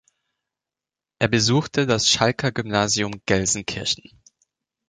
Er besuchte das Schalker Gymnasium Gelsenkirchen.